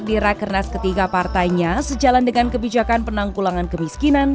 di rekenas ketiga partainya sejalan dengan kebijakan penangkulangan kemiskinan